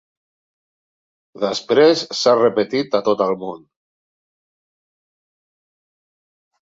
Després s'ha repetit a tot el món.